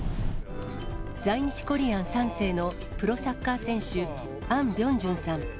在日コリアン３世のプロサッカー選手、アン・ビョンジュンさん。